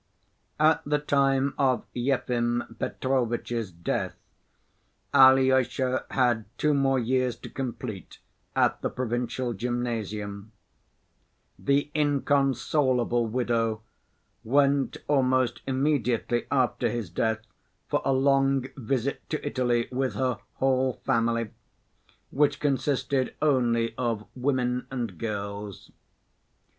At the time of Yefim Petrovitch's death Alyosha had two more years to complete at the provincial gymnasium. The inconsolable widow went almost immediately after his death for a long visit to Italy with her whole family, which consisted only of women and girls.